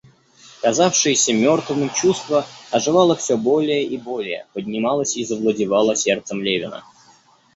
Казавшееся мертвым чувство оживало всё более и более, поднималось и завладевало сердцем Левина.